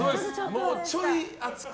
もうちょい厚く。